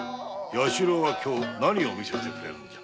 弥四郎は何を見せてくれるのじゃ？